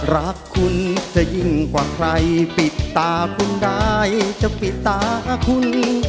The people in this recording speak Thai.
รักคุณจะยิ่งกว่าใครปิดตาคุณได้จะปิดตาคุณ